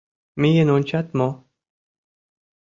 Миен ончат мо?